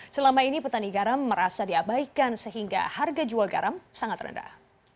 selama ini petani garam merasa diabaikan sehingga harga jual garam sangat rendah